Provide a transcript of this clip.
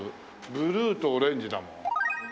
ブルーとオレンジだもん。